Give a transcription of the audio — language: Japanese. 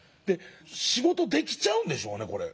仕事できちゃうんでしょうねこれ。